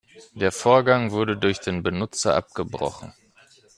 Der Vorgang wurde durch den Benutzer abgebrochen.